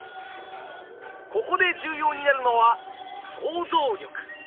ここで重要になるのは想像力！